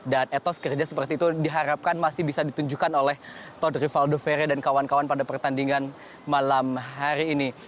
dan etos kerja seperti itu diharapkan masih bisa ditunjukkan oleh tod rivaldovere dan kawan kawan pada pertandingan malam hari ini